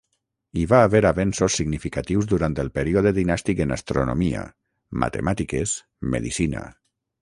Hi va haver avenços significatius durant el període dinàstic en astronomia, matemàtiques, medicina.